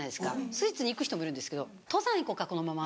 スイーツに行く人もいるんですけど「登山行こかこのまま」。